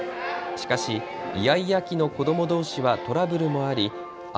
しかしイヤイヤ期の子どもどうしはトラブルもあり安